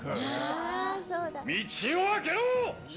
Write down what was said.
道を開けろ！